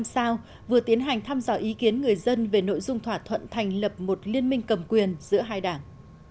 sao vừa tiến hành thăm dò ý kiến người dân về nội dung thỏa thuận thành lập một liên minh cầm quyền giữa hai đảng